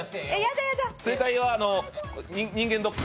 正解は人間ドック。